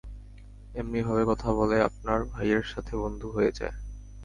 এমনি ভাবে কথা বলে, আপনার ভাইয়ের সাথে বন্ধু হয়ে যায়।